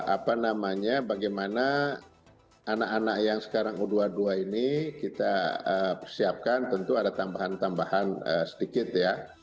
apa namanya bagaimana anak anak yang sekarang u dua puluh dua ini kita persiapkan tentu ada tambahan tambahan sedikit ya